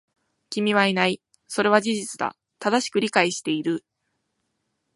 君はいない。それは事実だ。正しく理解している。